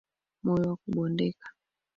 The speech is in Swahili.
Moyo wa kubondeka.